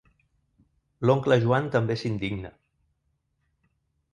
L'oncle Joan també s'indigna.